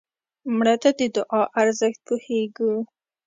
مړه ته د دعا ارزښت پوهېږو